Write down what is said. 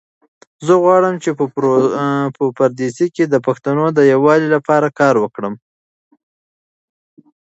زه غواړم چې په پردیسۍ کې د پښتنو د یووالي لپاره کار وکړم.